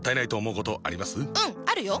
うんあるよ！